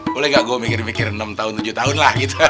boleh gak gue mikir mikir enam tahun tujuh tahun lah gitu